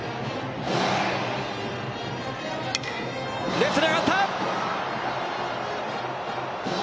レフトに上がった！